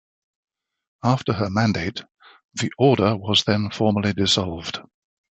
After her mandate, the Order was then formally dissolved.